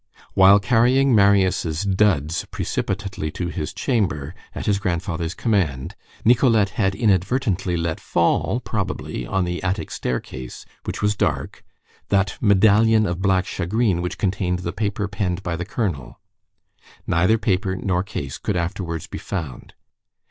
While carrying Marius' "duds" precipitately to his chamber, at his grandfather's command, Nicolette had, inadvertently, let fall, probably, on the attic staircase, which was dark, that medallion of black shagreen which contained the paper penned by the colonel. Neither paper nor case could afterwards be found.